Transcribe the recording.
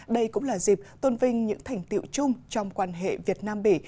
đây cũng là dịp tôn vinh những thành tiệu chung trong quan hệ việt nam bỉ